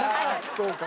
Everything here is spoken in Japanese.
そうか。